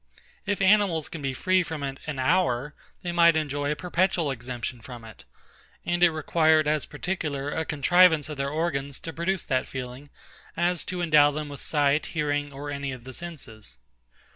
If animals can be free from it an hour, they might enjoy a perpetual exemption from it; and it required as particular a contrivance of their organs to produce that feeling, as to endow them with sight, hearing, or any of the senses.